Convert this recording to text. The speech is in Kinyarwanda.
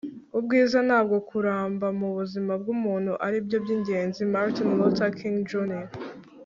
ubwiza, ntabwo kuramba, mu buzima bw'umuntu aribyo by'ingenzi. - martin luther king, jr